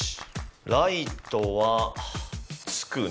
ライトはつくな。